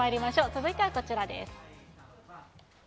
続いてはこちらです。